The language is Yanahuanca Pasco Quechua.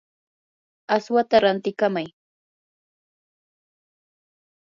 aswata rantikamay.